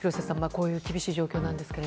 こういう厳しい状況なんですが。